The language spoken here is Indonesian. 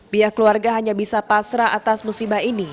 pihak keluarga hanya bisa pasrah atas musibah ini